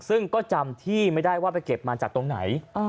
ซึ่งก็จำที่ไม่ได้ว่าไปเก็บมาจากตรงไหน